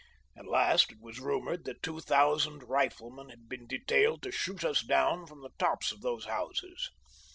At last it was rumored that two thousand riflemen had been detailed to shoot us down from the tops of those houses.